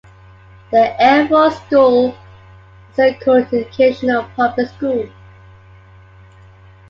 The Air Force School is a co-educational public school.